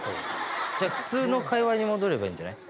じゃあ普通の会話に戻ればいいんじゃない？